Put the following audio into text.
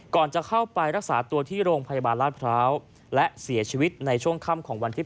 ก่อนจะเข้าไปรักษาตัวที่โรงพยาบาลราชพร้าวและเสียชีวิตในช่วงค่ำของวันที่๘